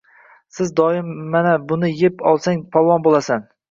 Siz doim mana buni yeb olsang polvon boʻlasan.